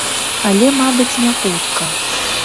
Але, мабыць, не хутка.